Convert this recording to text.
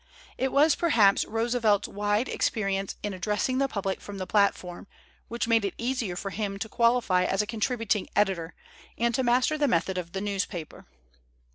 It was perhaps Roosevelt's wide experi ence in addressing the public from the platform which made it easier for him to qualify as a con tributing editor and to master the method of the newspaper.